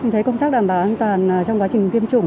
thấy công tác đảm bảo an toàn trong quá trình tiêm chủng